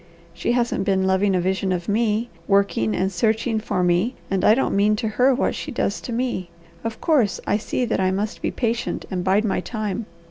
She hasn't been loving a vision of me, working and searching for me, and I don't mean to her what she does to me. Of course I see that I must be patient and bide my time.